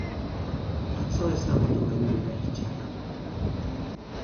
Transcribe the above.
Atzo ezagutu genuen berri txarra.